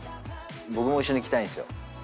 僕も一緒に着たいんですよ。